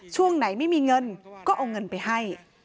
ช่วงไหนไม่มีเงินก็เอาเงินไปให้